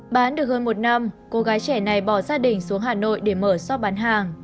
bán được hơn một năm cô gái trẻ này bỏ gia đình xuống hà nội để mở sót bán hàng